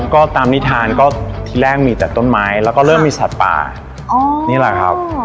ก็ตามนิทานก็ที่แรกมีแต่ต้นไม้แล้วก็เริ่มมีสัตว์ป่านี่แหละครับ